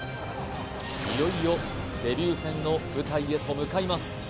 いよいよデビュー戦の舞台へと向かいます